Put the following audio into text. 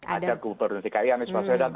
ada gubernur dki anies maswedan